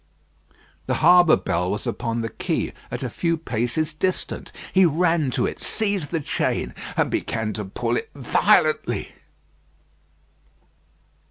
The harbour bell was upon the quay, at a few paces distance. He ran to it, seized the chain, and began to pull it violently.